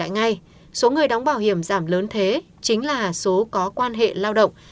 ngại ngay số người đóng bảo hiểm giảm lớn thế chính là số có quan hệ lao động